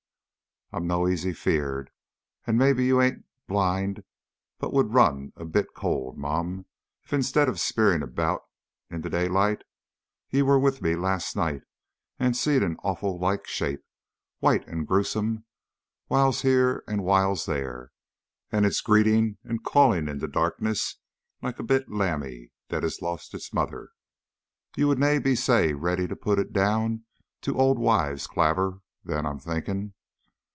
I'm no easy feared, but maybe your ain bluid would run a bit cauld, mun, if instead o' speerin' aboot it in daylicht ye were wi' me last night, an' seed an awfu' like shape, white an' gruesome, whiles here, whiles there, an' it greetin' and ca'ing in the darkness like a bit lambie that hae lost its mither. Ye would na' be sae ready to put it a' doon to auld wives' clavers then, I'm thinkin'."